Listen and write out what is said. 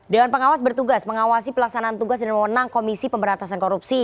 dewan pengawas bertugas mengawasi pelaksanaan tugas dan mewenang komisi pemberantasan korupsi